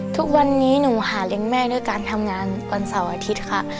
ทุกวันนี้หนูหาเลี้ยงแม่ด้วยการทำงานวันเสาร์อาทิตย์ค่ะ